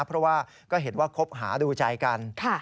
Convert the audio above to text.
เพราะว่าก็เห็นว่าคบหาดูใจกัน